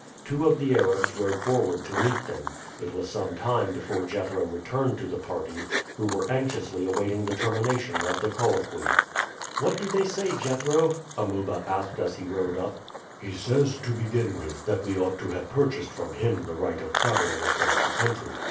Two of the Arabs rode forward to meet them. It was some time before Jethro returned to the party, who were anxiously awaiting the termination of the colloquy. "What do they say, Jethro?" Amuba asked as he rode up. "He says, to begin with, that we ought to have purchased from him the right of traveling across the country.